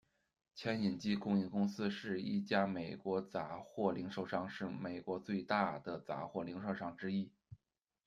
牵引机供应公司是一家美国杂货零售商，是美国最大的杂货零售商之一。